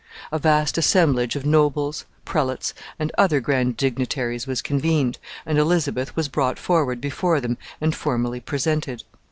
A vast assemblage of nobles, prelates, and other grand dignitaries was convened, and Elizabeth was brought forward before them and formally presented.